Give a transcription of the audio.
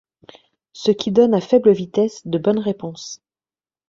Ce qui donne à faible vitesse de bonne réponse.